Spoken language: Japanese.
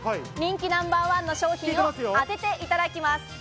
人気ナンバーワンの商品を当てていただきます。